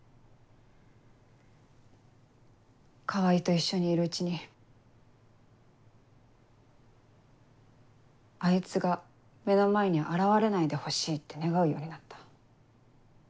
川合と一緒にいるうちにあいつが目の前に現れないでほしいって願うようになった。